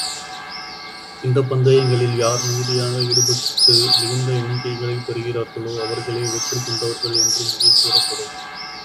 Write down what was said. இந்தப் பந்தயங்களில் யார் மிகுதியாக ஈடுபட்டு மிகுந்த எண்ணிக்கைகளைப் பெறுகிறார்களோ, அவர்களே வெற்றிக் கொண்டவர்கள் என்று முடிவு கூறப்படும்.